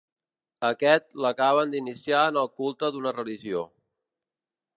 A aquest l'acaben d'iniciar en el culte d'una religió.